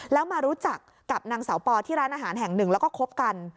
แล้วมารู้จักกับนางสาวปอที่ร้านอาหารแห่งหนึ่งแล้วก็คบกัน